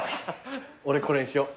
俺これにしよう。